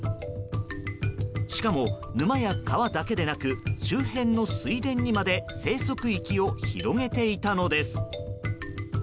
しかも、沼や川だけでなく周辺の水田にまで生息域を広げていたのです。